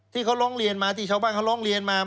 ที่เขาร้องเรียนมาที่ชาวบ้านเขาร้องเรียนมา